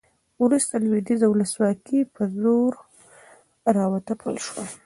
وروسته لویدیځه ولسواکي په زور راوتپل شوه